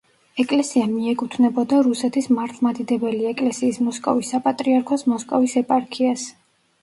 ეკლესია მიეკუთვნებოდა რუსეთის მართლმადიდებელი ეკლესიის მოსკოვის საპატრიარქოს მოსკოვის ეპარქიას.